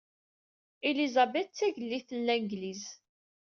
Elizabeth d Tagellid n Langliz.